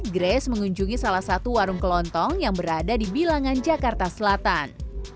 grace mengunjungi salah satu warung kelontong yang berada di bilangan jakarta selatan